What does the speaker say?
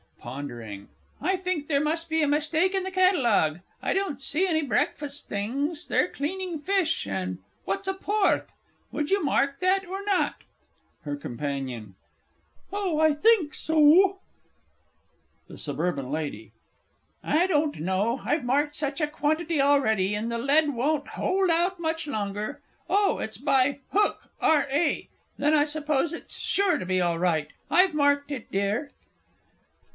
_" (Pondering). I think there must be a mistake in the Catalogue I don't see any breakfast things they're cleaning fish, and what's a "Porth!" Would you mark that or not? HER COMP. Oh, I think so. THE S. L. I don't know. I've marked such a quantity already and the lead won't hold out much longer. Oh, it's by Hook, R.A. Then I suppose it's sure to be all right. I've marked it, dear.